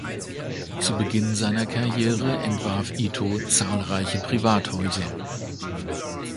Zu Beginn seiner Karriere entwarf Ito zahlreiche Privathäuser.